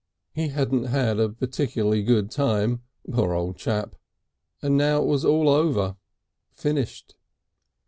He hadn't had a particularly good time, poor old chap, and now it was all over. Finished....